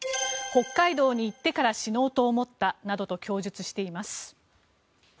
北海道に行ってから死のうと思ったなどと供述しています。